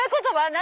何？